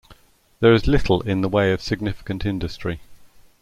There is little in the way of significant industry.